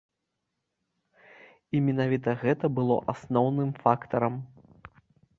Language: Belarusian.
І менавіта гэта было асноўным фактарам.